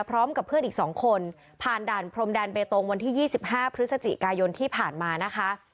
พร้อมกับเพื่อนอีก๒คนผ่านด่านพรมแดนเบตงวันที่๒๕พฤศจิกายนที่ผ่านมานะคะ